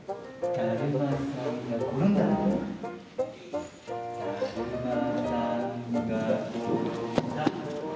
だるまさんが転んだ。